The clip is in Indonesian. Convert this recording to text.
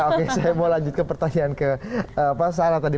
oke saya mau lanjut ke pertanyaan ke saran tadi